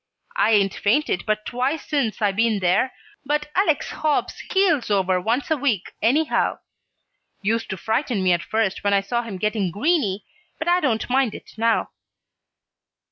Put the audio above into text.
I 'ain't fainted but twice since I been there, but Alex Hobbs keels over once a week, anyhow. Used to frighten me at first when I saw him getting green y, but I don't mind it now."